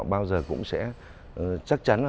bao giờ cũng sẽ chắc chắn là